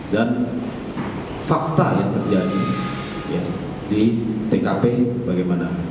dan fakta yang terjadi di tkp bagaimana